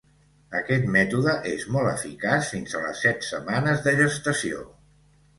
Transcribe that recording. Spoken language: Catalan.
Aquest mètode és molt eficaç fins a les set setmanes de gestació.